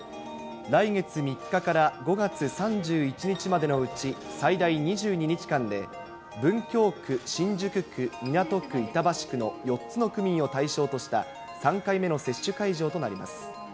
来月３日から５月３１日までのうち最大２２日間で、文京区、新宿区、港区、板橋区の４つの区民を対象とした３回目の接種会場となります。